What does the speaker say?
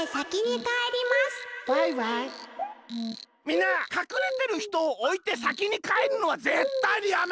みんなかくれてるひとをおいてさきにかえるのはぜったいにやめよう！